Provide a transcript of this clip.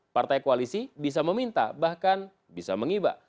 partai koalisi bisa meminta bahkan bisa mengiba